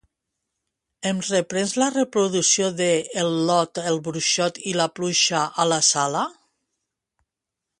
Em reprens la reproducció de l'"Ot el Bruixot i la pluja" a la sala?